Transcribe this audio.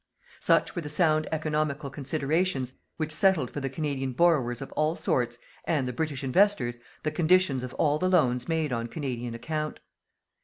Such were the sound economical considerations which settled for the Canadian borrowers of all sorts, and the British investors, the conditions of all the loans made on Canadian account.